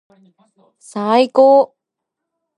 さあいこう